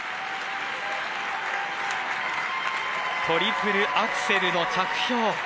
トリプルアクセルの着氷。